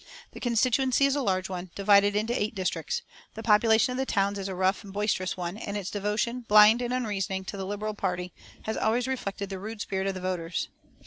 The constituency is a large one, divided into eight districts. The population of the towns is a rough and boisterous one, and its devotion, blind and unreasoning, to the Liberal party has always reflected the rude spirit of the voters.